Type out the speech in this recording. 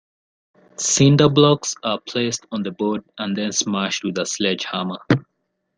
Cinder blocks are placed on the board and then smashed with a sledgehammer.